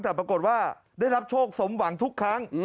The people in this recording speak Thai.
แต่ปรากฏว่าได้รับโชคสมหวังทุกครั้ง